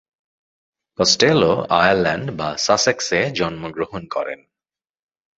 Costello Ireland বা সাসেক্সে জন্মগ্রহণ করেন।